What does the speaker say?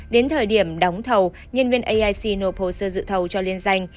đến thời điểm đóng thầu nhân viên aic nộp hồ sơ dự thầu cho liên danh